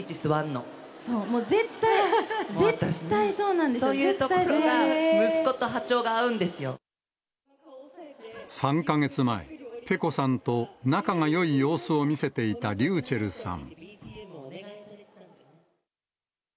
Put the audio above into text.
そう、もう絶対、絶対そうなそういうところが、息子と波３か月前、ペコさんと仲がよい様子を見せていたｒｙｕｃｈｅｌｌさん。